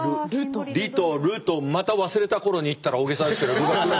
リとルとまた忘れた頃にって言ったら大げさですけどルが。